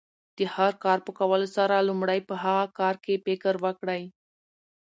د هر کار په کولو سره، لومړی په هغه کار کښي فکر وکړئ!